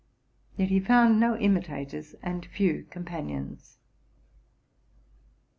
Yet he found no imitators and few companions.